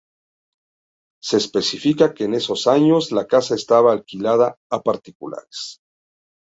Se especifica que en esos años la casa estaba alquilada a particulares.